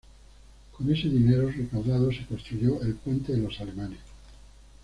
Con ese dinero recaudado se construyó el Puente de los Alemanes.